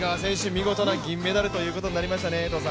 見事な銀メダルということになりましたね。